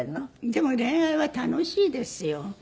でも恋愛は楽しいですよ。